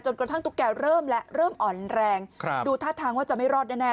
กระทั่งตุ๊กแกเริ่มและเริ่มอ่อนแรงดูท่าทางว่าจะไม่รอดแน่